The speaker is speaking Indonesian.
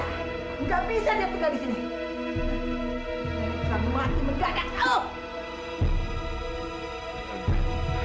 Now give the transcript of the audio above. nggak bisa dia tinggal disini